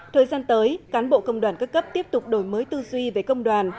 thời gian tới cán bộ công đoàn các cấp tiếp tục đổi mới tư duy về công đoàn